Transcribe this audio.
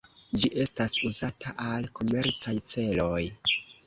Ĝi estas uzata al komercaj celoj.